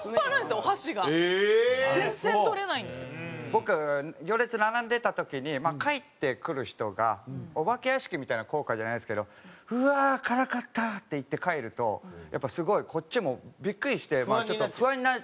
僕行列並んでた時に帰ってくる人がおばけ屋敷みたいな効果じゃないですけど「うわー辛かった」って言って帰るとやっぱすごいこっちもビックリしてちょっと。